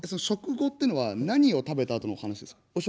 食後っていうのは何を食べたあとの話ですか？